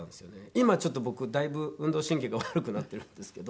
今ちょっと僕だいぶ運動神経が悪くなってるんですけど。